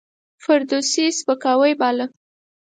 فردوسي سپکاوی باله.